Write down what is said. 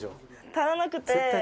足らなくて。